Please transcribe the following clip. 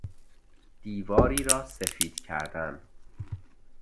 دیواری را سفید کردن